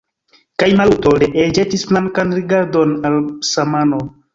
Kaj Maluto ree ĵetis flankan rigardon al Basmanov.